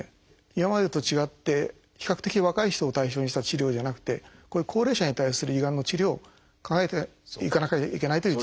今までと違って比較的若い人を対象にした治療じゃなくてこういう高齢者に対する胃がんの治療を考えていかなきゃいけないという。